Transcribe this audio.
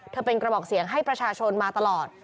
เป็นกระบอกเสียงให้ประชาชนมาตลอด